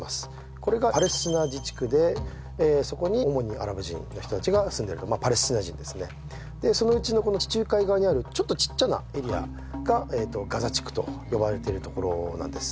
これがパレスチナ自治区でそこに主にアラブ人の人達が住んでるまあパレスチナ人ですねでそのうちのこの地中海側にあるちょっとちっちゃなエリアがええとガザ地区と呼ばれてるところなんです